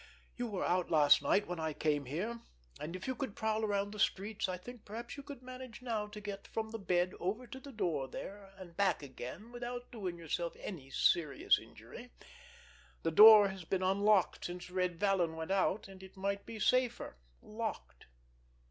"You were out last night when I came here, and if you could prowl around the streets, I think perhaps you could manage now to get from the bed over to the door there and back again without doing yourself any serious injury. The door has been unlocked since Red Vallon went out, and it might be safer—locked."